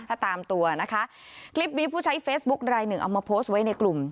ถ้าตามตัวนะคะคลิปนี้ผู้ใช้เฟซบุ๊คลายหนึ่งเอามาโพสต์ไว้ในกลุ่ม